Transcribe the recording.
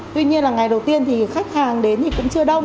tuy nhiên là ngày đầu tiên thì khách hàng đến thì cũng chưa đông